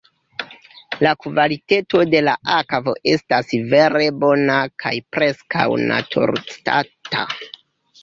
La kvaliteto de la akvo estas vere bona kaj preskaŭ naturstata.